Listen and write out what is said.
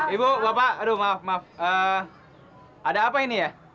ibu bapak aduh maaf maaf ada apa ini ya